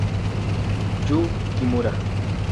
Yu Kimura